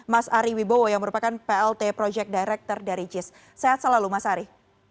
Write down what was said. mas ari wibowo yang merupakan plt project director dari jis sehat selalu mas ari